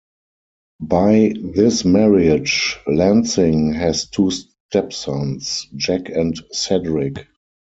By this marriage, Lansing has two stepsons, Jack and Cedric.